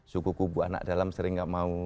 suku kubu anak dalam sering gak mau